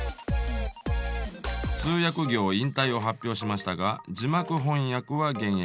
通訳業引退を発表しましたが字幕翻訳は現役。